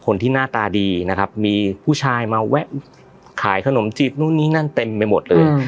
หน้าตาดีนะครับมีผู้ชายมาแวะขายขนมจีบนู่นนี่นั่นเต็มไปหมดเลย